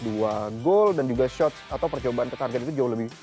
dua gol dan juga shots atau percobaan ke target itu jauh lebih